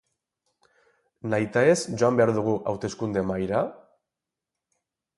Nahitaez joan behar dugu hauteskunde-mahaira?